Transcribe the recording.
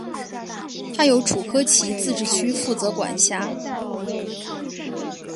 它由楚科奇自治区负责管辖。